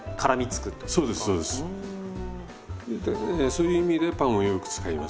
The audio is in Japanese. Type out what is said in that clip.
そういう意味でパンをよく使いますね。